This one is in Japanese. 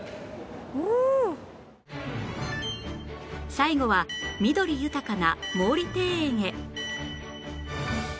最後は緑豊かな毛利庭園へ